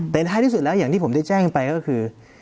แต่ท้ายที่สุดแล้วอย่างที่ผมได้แจ้งไปก็คือ